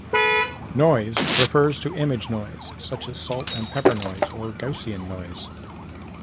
Noise refers to image noise, such as salt and pepper noise or Gaussian noise.